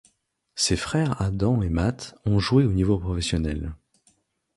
Ses frères Adam et Matt ont joué au niveau professionnel.